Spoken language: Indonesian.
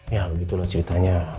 ya begitulah ceritanya